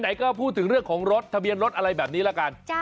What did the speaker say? ไหนก็พูดถึงเรื่องของรถทะเบียนรถอะไรแบบนี้ละกัน